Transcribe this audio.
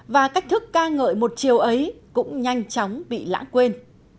và cách thức ca ngợi một chiều ấy cũng nhanh chóng bị lãng quên